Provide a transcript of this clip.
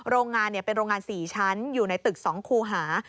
โรงงานเป็นโรงงาน๔ชั้นอยู่ในตึก๒คูหา